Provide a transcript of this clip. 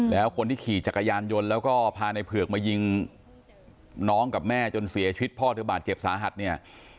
แล้วคนที่ขี่จักรยานยนต์แล้วก็พาในเผือกมายิงน้องกับแม่จนเสียชีวิตพ่อเธอบาดเจ็บสาหัสเนี่ย